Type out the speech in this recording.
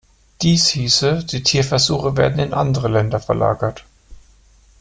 Dies hieße, die Tierversuche werden in andere Länder verlagert.